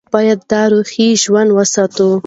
باید دا روح ژوندۍ وساتو.